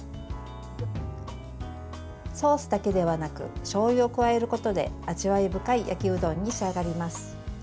ソースだけではなくしょうゆを加えることで味わい深い焼きうどんに仕上がります。